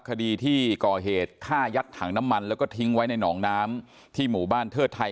คดีที่ก่อเหตุฆ่ายัดถังน้ำมันแล้วก็ทิ้งไว้ในหนองน้ำที่หมู่บ้านเทิดไทย